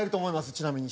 ちなみに。